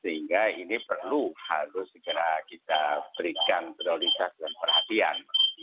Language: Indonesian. sehingga ini perlu harus segera kita berikan prioritas dan perhatian